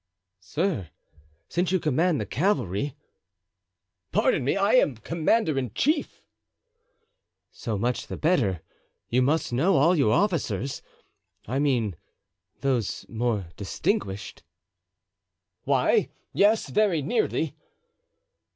"Sir, since you command the cavalry——" "Pardon me, I am commander in chief." "So much the better. You must know all your officers—I mean those more distinguished." "Why, yes, very nearly."